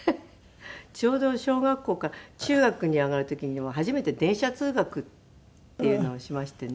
ちょうど小学校から中学に上がる時に初めて電車通学っていうのをしましてね。